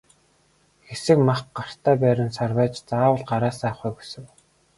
Хэсэг мах гартаа барин сарвайж заавал гараасаа авахыг хүсэв.